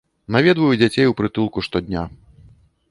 Наведваю дзяцей у прытулку штодня.